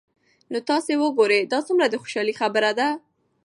نو تاسي وګورئ دا څومره د خوشحالۍ خبره ده